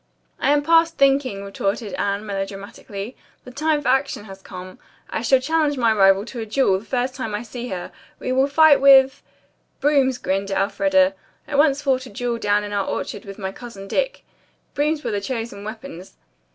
"I am past thinking," retorted Anne melodramatically. "The time for action has come. I shall challenge my rival to a duel the first time I see her. We will fight with " "Brooms," grinned Elfreda. "I once fought a duel down in our orchard with my cousin Dick. Brooms were the chosen weapons.